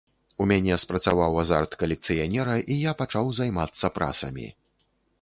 У мяне спрацаваў азарт калекцыянера, і я пачаў займацца прасамі.